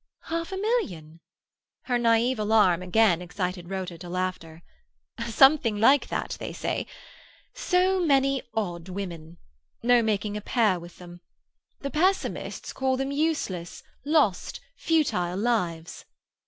"Half a million!" Her naive alarm again excited Rhoda to laughter. "Something like that, they say. So many odd women—no making a pair with them. The pessimists call them useless, lost, futile lives.